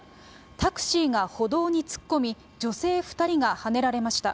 タクシーが歩道に突っ込み、女性２人がはねられました。